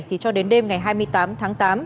thì cho đến đêm ngày hai mươi tám tháng tám